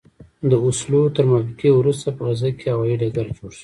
د اوسلو تر موافقې وروسته په غزه کې هوايي ډګر جوړ شو.